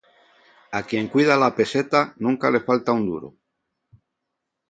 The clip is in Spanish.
A quien cuida la peseta nunca le falta un duro.